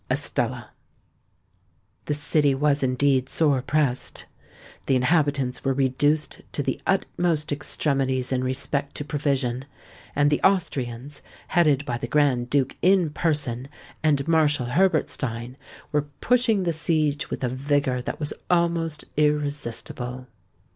"ESTELLA." The city was indeed sore pressed. The inhabitants were reduced to the utmost extremities in respect to provision; and the Austrians, headed by the Grand Duke in person and Marshal Herbertstein, were pushing the siege with a vigour that was almost irresistible.